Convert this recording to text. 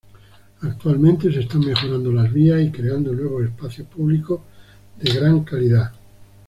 Actualmente se están mejorando las vías y creando nuevo espacio público de gran calidad.